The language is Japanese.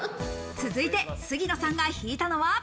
続いて杉野さんがひいたのは。